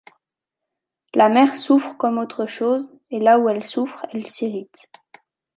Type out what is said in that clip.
La mer souffre comme autre chose ; et là où elle souffre, elle s’irrite.